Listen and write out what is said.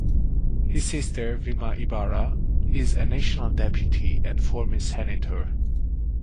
His sister, Vilma Ibarra, is a National Deputy and former Senator.